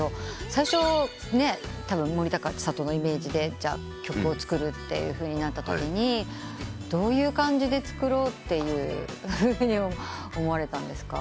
最初たぶん森高千里のイメージで曲を作るってなったときにどういう感じで作ろうっていうふうに思われたんですか？